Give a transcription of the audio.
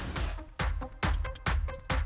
sudah bayar lunas